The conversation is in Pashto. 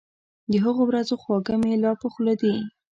د هغو ورځو خواږه مي لا په خوله دي